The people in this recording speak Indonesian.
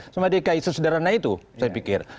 sama dki sesederhana itu saya pikir